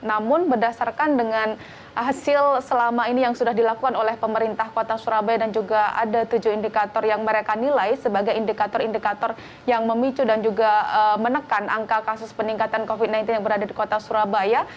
namun berdasarkan dengan hasil selama ini yang sudah dilakukan oleh pemerintah kota surabaya dan juga ada tujuh indikator yang mereka nilai sebagai indikator indikator yang memicu dan juga menekan angka kasus peningkatan covid sembilan belas yang berada di kota surabaya